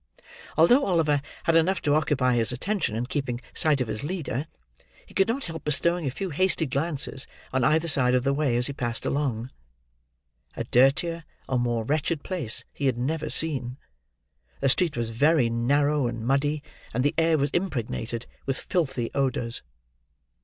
Although Oliver had enough to occupy his attention in keeping sight of his leader, he could not help bestowing a few hasty glances on either side of the way, as he passed along. A dirtier or more wretched place he had never seen. The street was very narrow and muddy, and the air was impregnated with filthy odours.